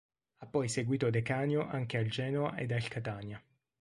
Ha poi seguito De Canio anche al Genoa ed al Catania.